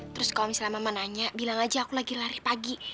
terus kalau misalnya mama nanya bilang aja aku lagi lari pagi